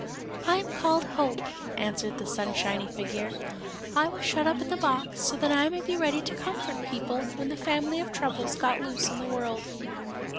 "I am called Hope," answered the sunshiny figure. "I was shut up in the box so that I might be ready to comfort people when the family of troubles got loose in the world."